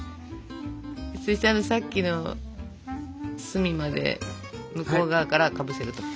そしてさっきの隅まで向こう側からかぶせると。